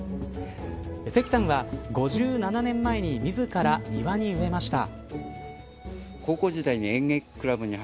関さんは、５７年前に自ら庭に植えました。